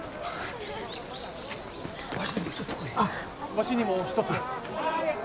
わしにも１つ。